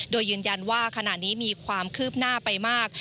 โดยยืนยันว่าขณะนี้มีความคืบหน้าไปมาก